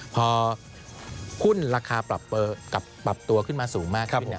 พอหุ้นราคาปรับตัวขึ้นมาสูงมากขึ้น